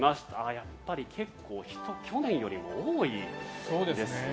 やっぱり結構人が去年よりも多いですね。